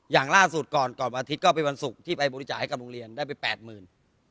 อย่างล่าสุดก่อนก่อนวันอาทิตย์ก็เป็นวันศุกร์ที่ไปบริจาคให้กับโรงเรียนได้ไปแปดหมื่น